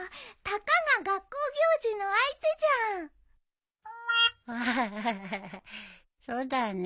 たかが学校行事の相手じゃんね。